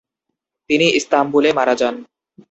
তিনি ইস্তাম্বুলে মারা যান।